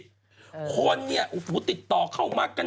และคนเนี่ยติดต่อเข้ามากัน